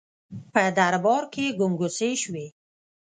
په دربار کې ګنګوسې شوې.